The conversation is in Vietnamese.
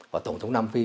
và tổng thống nam phi